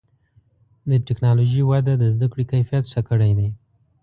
د ټکنالوجۍ وده د زدهکړې کیفیت ښه کړی دی.